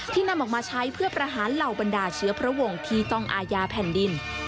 นำออกมาใช้เพื่อประหารเหล่าบรรดาเชื้อพระวงที่ต้องอาญาแผ่นดิน